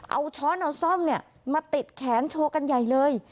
เอาช้อนเอาซ่อมมาติดแขนโชว์กันใหญ่เลย